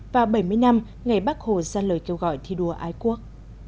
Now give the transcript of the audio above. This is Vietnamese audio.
và bảy mươi năm ngày bắc hồ ra lời kêu gọi thi đua ái quốc